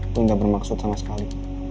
gue gak bermaksud sama sekali